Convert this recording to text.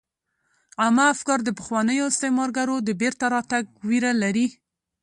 عامه افکار د پخوانیو استعمارګرو د بیرته راتګ ویره لري